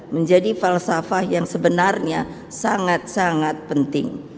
menjadi falsafah yang sebenarnya sangat sangat penting